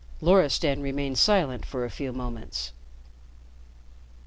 Loristan remained silent for a few moments.